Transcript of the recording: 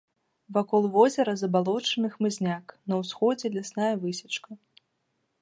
Вакол возера забалочаны хмызняк, на ўсходзе лясная высечка.